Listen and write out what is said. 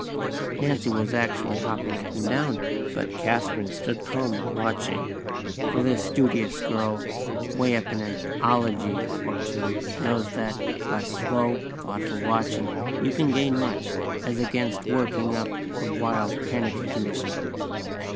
Nancy was actually hopping up and down, but Kathlyn stood calmly watching; for this studious girl, way up in an "ology" or two, knows that, by slow, thoughtful watching, you can gain much, as against working up a wild, panicky condition.